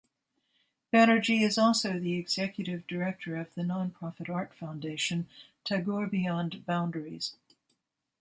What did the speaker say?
Banerjee is also the executive director of the nonprofit art foundation Tagore Beyond Boundaries.